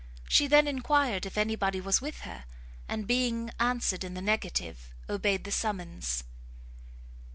She then enquired if any body was with her, and being answered in the negative, obeyed the summons.